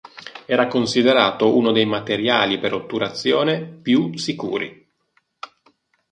Era considerato uno dei materiali per otturazione più sicuri.